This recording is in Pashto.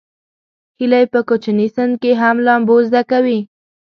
هیلۍ په کوچني سن کې هم لامبو زده کوي